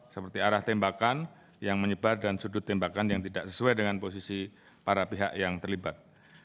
seperti arah tembakan yang menyebar dan sudut tembakan yang tidak sesuai dengan posisi para pihak yang terlibat